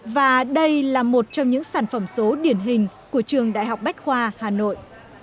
và đây là một trong những sản phẩm số điển hình của trường đại học bách khoa hà nội